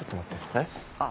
えっ？あっ！